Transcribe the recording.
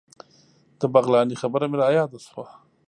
د بغلاني خبره مې رایاده شوه.